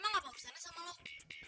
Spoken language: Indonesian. untuk cicilan luta